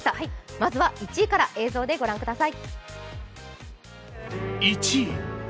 まずは１位から映像でご覧ください。